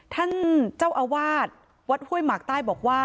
ท่านเจ้าอาวาสวัดห้วยหมากใต้บอกว่า